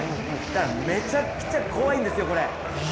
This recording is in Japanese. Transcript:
だからめちゃくちゃ怖いんですよ、これ。